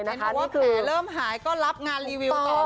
แถวแผงมาแล้วเริ่มหายก็รับงานรอบเลย